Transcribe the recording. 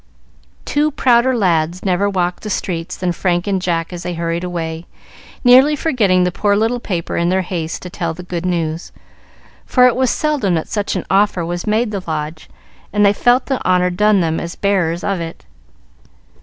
Two prouder lads never walked the streets than Frank and Jack as they hurried away, nearly forgetting the poor little paper in their haste to tell the good news; for it was seldom that such an offer was made the Lodge, and they felt the honor done them as bearers of it.